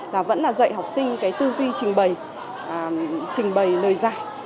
và vẫn là dạy học sinh cái tư duy trình bày trình bày lời dạy